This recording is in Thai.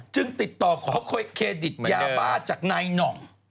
ติดต่อขอเครดิตยาบ้าจากนายหน่อง